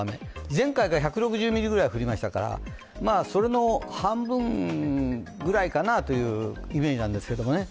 前回が１６０ミリぐらい降りましたから、それの半分ぐらいかなというイメージなんですけどね。